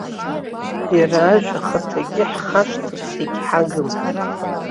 Иара ажәа ахаҭагьы ҳхашҭырц егьҳагым!